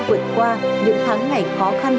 vượt qua những tháng ngày khó khăn